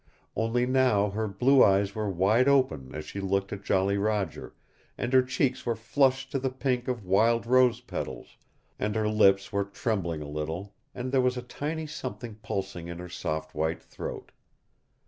Only now her blue eyes were wide open as she looked at Jolly Roger, and her cheeks were flushed to the pink of wild rose petals, and her lips were trembling a little, and there was a tiny something pulsing in her soft white throat.